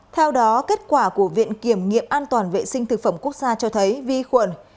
theo đó kết quả của viện kiểm nghiệm an toàn vệ sinh thực phẩm quốc gia cho thấy vi khuẩn